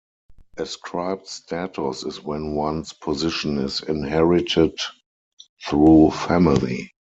Ascribed status is when one's position is inherited through family.